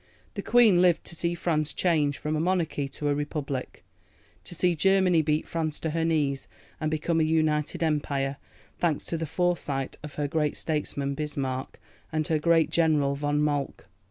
The Queen lived to see France change from a Monarchy to a Republic; to see Germany beat France to her knees and become a united Empire, thanks to the foresight of her great statesman Bismarck, and her great general von Moltke.